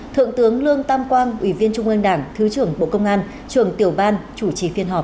thượng tướng lương tam quang ủy viên trung ương đảng thứ trưởng bộ công an trường tiểu ban chủ trì phiên họp